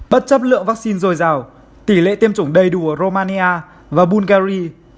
bất chấp lượng vaccine dồi dào tỷ lệ tiêm chủng đầy đủ ở romania và bulgari